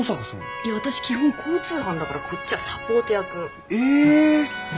いや私基本交通班だからこっちはサポート役。え！